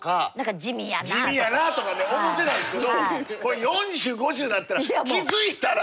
地味やなとかって思ってたんですけどこれ４０５０になったら気付いたら。